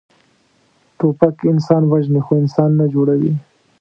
توپک انسان وژني، خو انسان نه جوړوي.